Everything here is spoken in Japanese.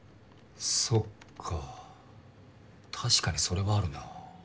そっか確かにそれはあるな。